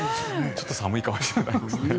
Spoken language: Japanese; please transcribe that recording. ちょっと寒いかもしれないですね。